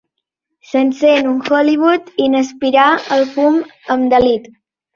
S'encén un Hollywood i n'aspirà el fum amb delit.